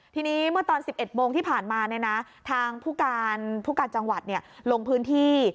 ทีนี้เมื่อตอน๑๑โมงที่ผ่านมาทางผู้การจังหวัดลงพื้นที่